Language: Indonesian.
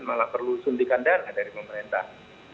malah perlu suntikan dana dari pemerintah